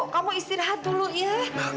kamu istirahat dulu ya